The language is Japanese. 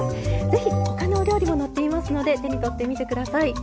是非他のお料理も載っていますので手に取ってみて下さい。